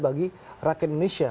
bagi rakyat indonesia